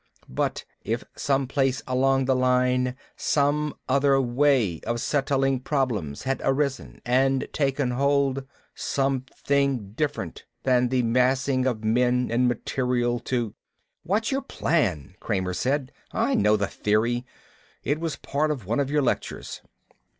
"But if someplace along the line some other way of settling problems had arisen and taken hold, something different than the massing of men and material to " "What's your plan?" Kramer said. "I know the theory. It was part of one of your lectures."